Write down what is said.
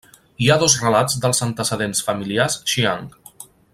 Hi ha dos relats dels antecedents familiars Xiang.